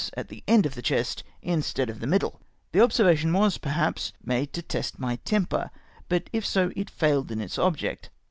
at the end of a chest instead of the middle ! The observation v^as, perhaps, made to test my temper, but, if so, it failed m its object.